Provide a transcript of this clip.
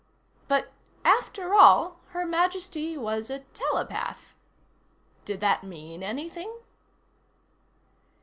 But, after all, Her Majesty was a telepath. Did that mean anything?